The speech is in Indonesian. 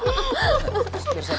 tante aku sakit